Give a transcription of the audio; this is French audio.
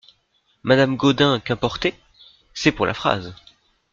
Madame Gaudin Qu'importé ? c'est pour la phrase !